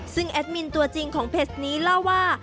ซึ่งแอดมินตัวจริงของเพจนี้เล่าว่า